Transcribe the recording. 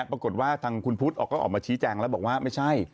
ปรากฏว่าทางคุณพุทธออกก็ออกมาชี้แจงแล้วบอกว่าไม่ใช่